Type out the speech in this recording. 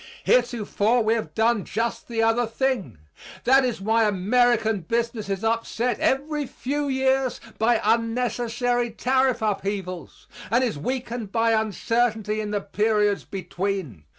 Heretofore, we have done just the other thing. That is why American business is upset every few years by unnecessary tariff upheavals and is weakened by uncertainty in the periods between.